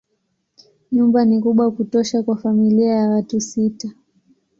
Nyumba ni kubwa kutosha kwa familia ya watu sita.